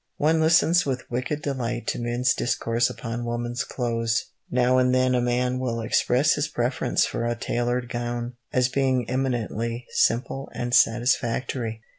One listens with wicked delight to men's discourse upon woman's clothes. Now and then a man will express his preference for a tailored gown, as being eminently simple and satisfactory.